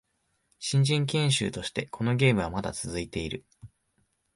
新人研修としてこのゲームはまだ続いている